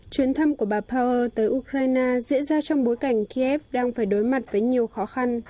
chuyến thăm của bà power tới ukraine diễn ra trong bối cảnh kiev đang phải đối mặt với nhiều khó khăn